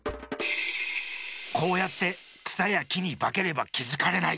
こうやってくさやきにばければきづかれない。